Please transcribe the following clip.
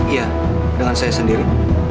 iya dengan saya sendiri